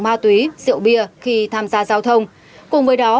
nhất là các trường hợp sử dụng ma túy rượu bia khi tham gia giao thông cùng với đó